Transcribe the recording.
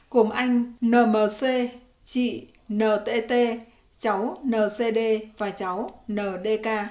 gồm anh nmc chị ntt cháu ncd và cháu ndk